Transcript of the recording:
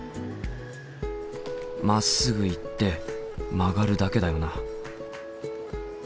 まっすぐ行って曲がるだけだよな